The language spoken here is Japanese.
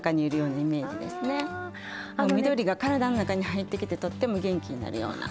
もう緑が体の中に入ってきてとっても元気になるような。